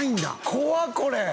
怖っこれ